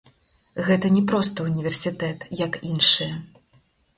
Гэта не проста ўніверсітэт як іншыя.